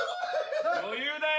余裕だよ。